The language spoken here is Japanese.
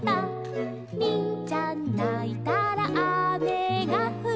「りんちゃんないたらあめがふる」